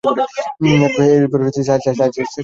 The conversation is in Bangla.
এরপর সার্জেন্ট পদবী ধারণ করেন।